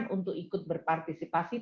bukan untuk ikut berpartisipasi